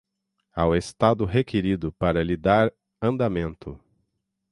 ao Estado requerido para lhe dar andamento.